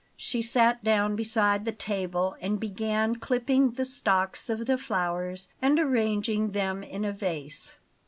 She sat down beside the table and began clipping the stalks of the flowers and arranging them in a vase.